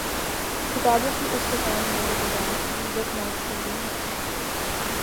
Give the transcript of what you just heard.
کتابوں کی اس دکان میں یہ دیوار اُن بک مارکس کےلیے مخصوص ہے